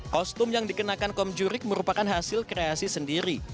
kostum yang dikenakan komjurik merupakan hasil kreasi sendiri